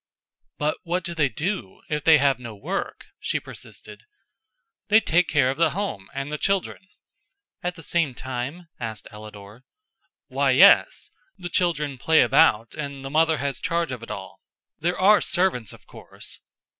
"But what do they do if they have no work?" she persisted. "They take care of the home and the children." "At the same time?" asked Ellador. "Why yes. The children play about, and the mother has charge of it all. There are servants, of course."